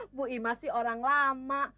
ibu ima sih orang lama